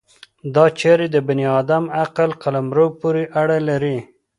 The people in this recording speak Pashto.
دا چارې د بني ادم عقل قلمرو پورې اړه لري.